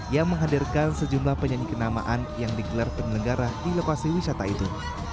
yang menghadirkan sejumlah penyanyi kenamaan yang digelar penyelenggara di lokasi wisata itu